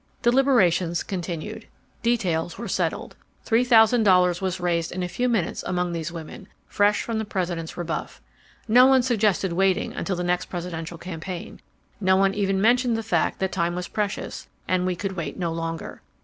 Deliberations continued. Details were settled. Three thousand dollars was raised in a few minutes among these women, fresh from the President's rebuff. No one suggested waiting until the next Presidential campaign. No one even mentioned the fact that time was precious, and we could wait no longer.